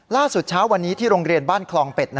เช้าวันนี้ที่โรงเรียนบ้านคลองเป็ด